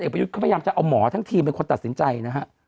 ประยุทธ์ก็พยายามจะเอาหมอทั้งทีมเป็นคนตัดสินใจนะฮะ